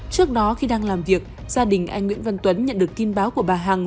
trước đó khi đang làm việc gia đình anh nguyễn văn tuấn nhận được tin báo của bà hằng